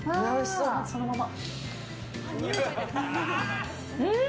そのまま。